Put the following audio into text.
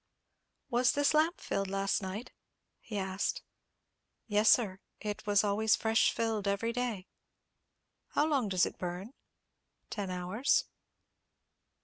"Was this lamp filled last night?" he asked. "Yes, sir; it was always fresh filled every day." "How long does it burn?" "Ten hours."